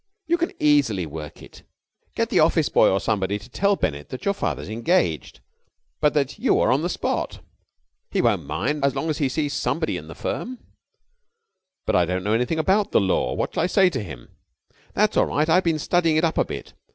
You can easily work it. Get the office boy or somebody to tell Bennett that your father's engaged, but that you are on the spot. He won't mind so long as he sees somebody in the firm." "But I don't know anything about the law. What shall I say to him?" "That's all right. I've been studying it up a bit.